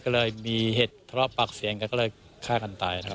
ก็เลยมีเหตุทะเลาะปากเสียงกันก็เลยฆ่ากันตายครับ